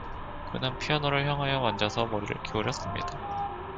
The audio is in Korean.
그는 피아노를 향하여 앉아서 머리를 기울였습니다.